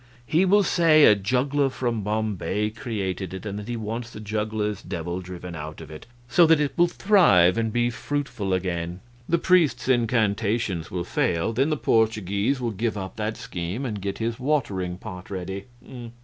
He will say a juggler from Bombay created it, and that he wants the juggler's devil driven out of it, so that it will thrive and be fruitful again. The priest's incantations will fail; then the Portuguese will give up that scheme and get his watering pot ready."